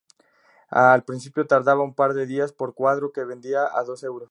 Al principio tardaba un par de días por cuadro, que vendía a dos euros.